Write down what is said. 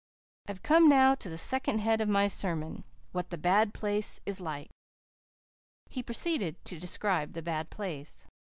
"I've come now to the second head of my sermon what the bad place is like." He proceeded to describe the bad place.